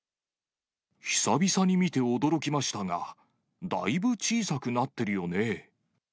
久々に見て驚きましたが、だいぶ小さくなってるよね？